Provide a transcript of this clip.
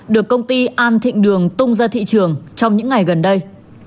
được công ty an thịnh đường tung ra thị trường trong những ngày gần đây